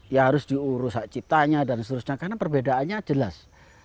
ya harus diurus hak ciptanya dan seterusnya karena perbedaannya jelas